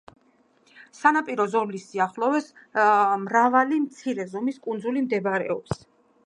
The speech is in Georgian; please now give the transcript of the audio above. სანაპირო ზოლის სიახლოვეს მრავალი მცირე ზომის კუნძული მდებარეობს.